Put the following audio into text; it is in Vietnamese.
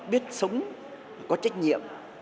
biết sống có trách nhiệm